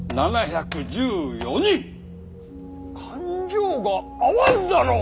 勘定が合わんだろう！